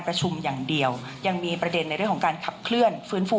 ประชุมอย่างเดียวยังมีประเด็นในเรื่องของการขับเคลื่อนฟื้นฟู